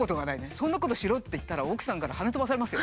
そんなことしろって言ったら奥さんからはね飛ばされますよ。